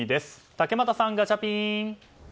竹俣さん、ガチャピン。